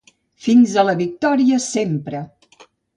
Fins la victòria sempre!